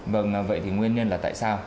vâng vậy thì nguyên nhân là tại sao